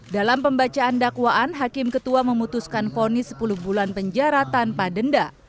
dalam pembacaan dakwaan hakim ketua memutuskan ponis sepuluh bulan penjara tanpa denda